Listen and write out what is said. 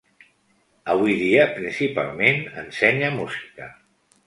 Avui dia, principalment ensenya música.